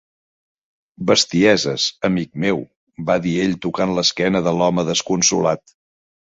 ""Bestieses, amic meu", va dir ell tocant l'esquena de l'home desconsolat."